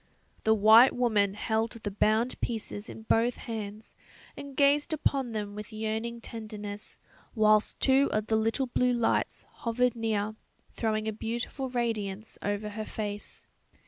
The white woman held the bound pieces in both hands, and gazed upon them with yearning tenderness, whilst two of the little blue lights hovered near, throwing a beautiful radiance over her face.